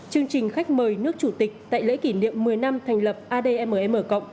chương trình khách mời nước chủ tịch tại lễ kỷ niệm một mươi năm thành lập admm